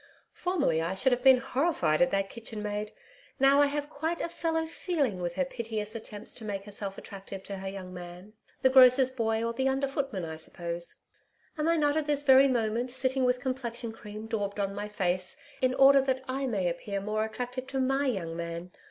Formerly I should have been horrified at that kitchenmaid. Now I have quite a fellow feeling with her piteous attempts to make herself attractive to her young man, the grocer's boy or the under footman I suppose. Am I not at this very moment sitting with complexion cream daubed on my face, in order that I may appear more attractive to MY young man.